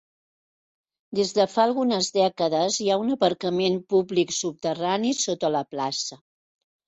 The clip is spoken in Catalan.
Des de fa algunes dècades, hi ha un aparcament públic subterrani sota la plaça.